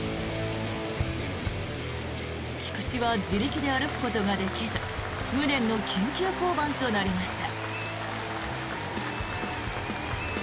菊池は自力で歩くことができず無念の緊急降板となりました。